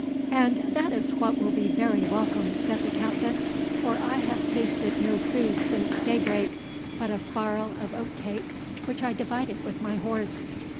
"And that is what will be very welcome," said the Captain, "for I have tasted no food since daybreak but a farl of oatcake, which I divided with my horse.